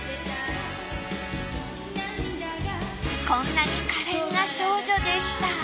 こんなに可憐な少女でした。